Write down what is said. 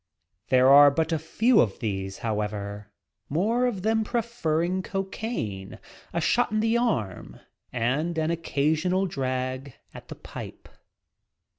There are but a few of these, however, more of them preferring cocaine, a "shot in the arm," and an occasional drag at the pipe.